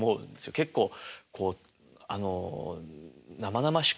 結構あの生々しく